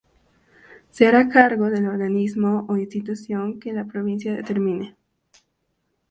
Se hará cargo del organismo o institución que la provincia determine.